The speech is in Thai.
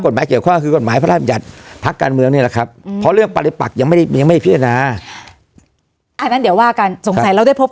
เดี๋ยวการสงสัยแล้วได้พบกันอีกประคาคอย่างนอนครับ